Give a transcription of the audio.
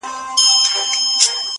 • هم یې کور هم انسانانو ته تلوار وو -